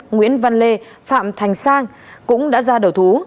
nguyễn văn lê phạm thành sang cũng đã ra đầu thú